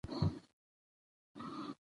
ميرويس ، منگول ، مټور ، منلی ، مرغلين ، مخکښ